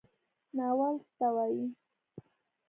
ناول څه ته وایي؟